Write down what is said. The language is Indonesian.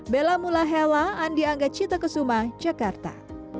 bella mula hela andi angga cita kesuma jakarta